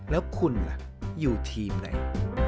แล้วคุณล่ะอยู่ทีมไหน